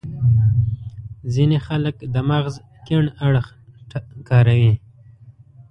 ځينې خلک د مغز کڼ اړخ کاروي.